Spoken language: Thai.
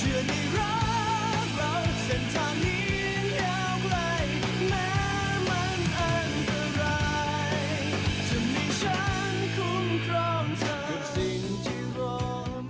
จะมีฉันคุ้มพร้อมเธอ